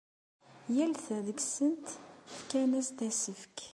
Yal ta deg-sent fkan-as-d asefk.